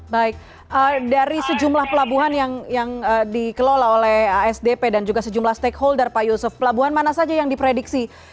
baik dari sejumlah pelabuhan yang dikelola oleh asdp dan juga sejumlah stakeholder pak yusuf pelabuhan mana saja yang diprediksi